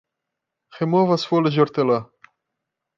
Remova as folhas de hortelã.